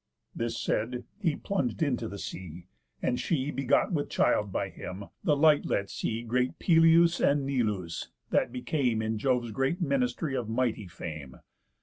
This said, he plung'd into the sea; and she, Begot with child by him, the light let see Great Pelias, and Neleus, that became In Jove's great ministry of mighty fame.